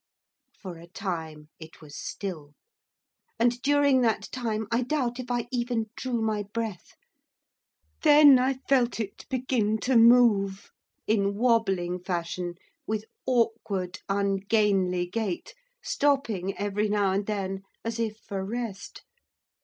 For a time it was still, and during that time I doubt if I even drew my breath. Then I felt it begin to move, in wobbling fashion, with awkward, ungainly gait, stopping every now and then, as if for rest.